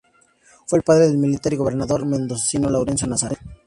Fue el padre del militar y gobernador mendocino Laureano Nazar.